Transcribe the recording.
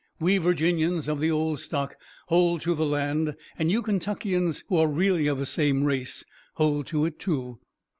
We Virginians of the old stock hold to the land, and you Kentuckians, who are really of the same race, hold to it, too."